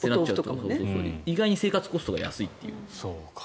意外に生活コストが安いっていう。